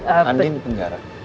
andin di penjara